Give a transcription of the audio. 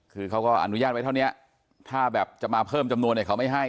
คือเขาก็อนุญาตไว้เท่านี้ถ้าแบบจะมาเพิ่มจำนวนเนี่ยเขาไม่ให้